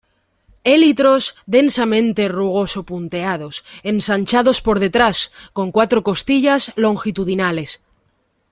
Élitros densamente rugoso-punteados, ensanchados por detrás, con cuatro costillas longitudinales.